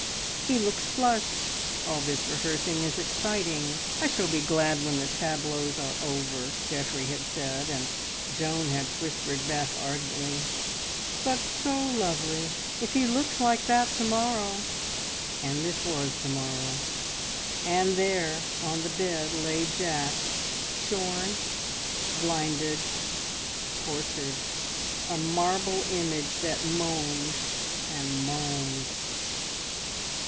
"He looks flushed. All this rehearsing is exciting. I shall be glad when the tableaux are over," Geoffrey had said, and Joan had whispered back ardently "But so lovely! If he looks like that to morrow!" And this was to morrow; and there on the bed lay Jack, shorn, blinded, tortured a marble image that moaned, and moaned...